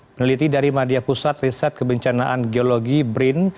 peneliti dari madia pusat riset kebencanaan geologi brin